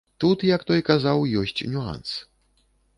Тут, як той казаў, ёсць нюанс.